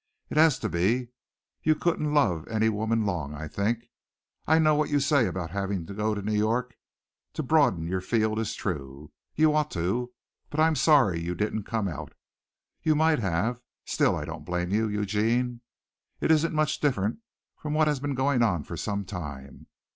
It has to be. You couldn't love any woman long, I think. I know what you say about having to go to New York to broaden your field is true. You ought to, but I'm sorry you didn't come out. You might have. Still I don't blame you, Eugene. It isn't much different from what has been going on for some time.